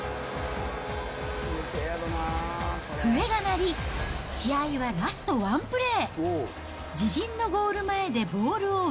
笛が鳴り、試合はラストワンプレー。